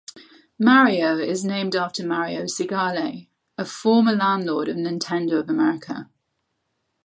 Mario is named after Mario Segale, a former landlord of Nintendo of America.